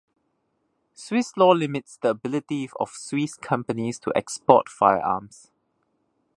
Swiss law limits the ability of Swiss companies to export firearms.